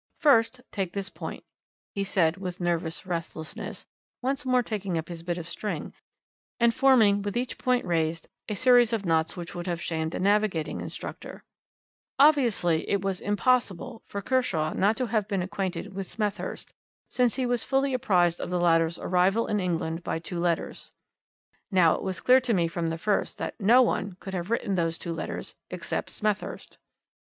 "First take this point," he said with nervous restlessness, once more taking up his bit of string, and forming with each point raised a series of knots which would have shamed a navigating instructor, "obviously it was impossible for Kershaw not to have been acquainted with Smethurst, since he was fully apprised of the latter's arrival in England by two letters. Now it was clear to me from the first that no one could have written those two letters except Smethurst.